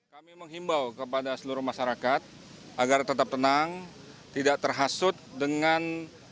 kami menghimbau kepada seluruh masyarakat agar tetap tenang tidak terhasut dengan